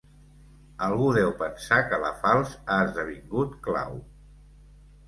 Algú deu pensar que la falç ha esdevingut clau.